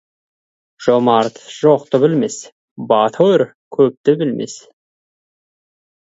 Жомарт жоқты білмес, батыр көпті білмес.